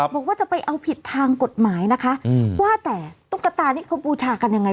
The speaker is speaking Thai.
บอกว่าจะไปเอาผิดทางกฎหมายนะคะว่าแต่ตุ๊กตานี่เขาบูชากันยังไง